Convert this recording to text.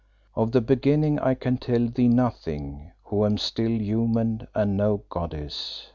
Of the beginning I can tell thee nothing, who am still human and no goddess.